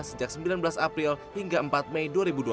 sejak sembilan belas april hingga empat mei dua ribu dua puluh